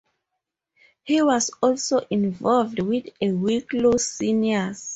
He was also involved with the Wicklow seniors.